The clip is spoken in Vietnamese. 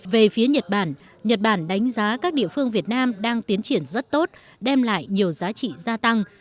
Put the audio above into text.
về phía nhật bản nhật bản đánh giá các địa phương việt nam đang tiến triển rất tốt đem lại nhiều giá trị gia tăng